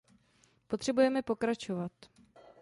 Potřebujeme pokračovat.